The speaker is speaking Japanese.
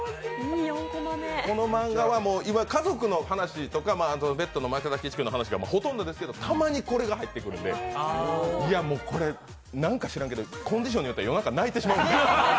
このマンガは家族の話とかペットの又吉君とかの話がほとんどなんですけどたまにこれが入ってくるので、これ、何か知らんけど、コンディションによっては夜中、泣いてしまうんで。